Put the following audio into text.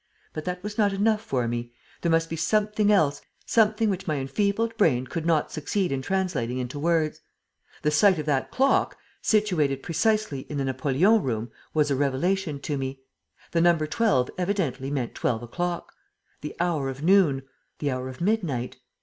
But that was not enough for me. There must be something else, something which my enfeebled brain could not succeed in translating into words. The sight of that clock, situated precisely in the Napoleon Room, was a revelation to me. The number 12 evidently meant twelve o'clock. The hour of noon! The hour of midnight!